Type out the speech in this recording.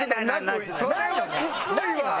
それはきついわ！